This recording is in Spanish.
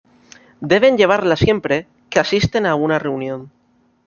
Deben llevarla siempre que asisten a una reunión.